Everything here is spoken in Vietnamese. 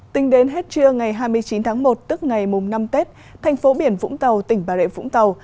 tính đến hết trưa ngày hai mươi chín tháng một tức ngày mùng năm tết thành phố biển vũng tàu tỉnh bà rịa vũng tàu